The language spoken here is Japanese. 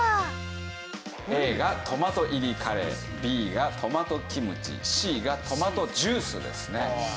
Ａがトマト入りカレーＢがトマトキムチＣがトマトジュースですね。